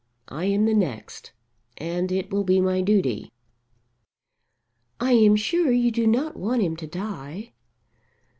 I am the next, and it will be my duty." "I am sure you do not want him to die."